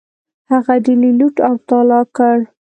هغه ډیلي لوټ او تالا کړ.